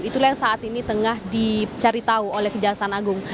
itulah yang saat ini tengah dicari tahu oleh kejaksaan agung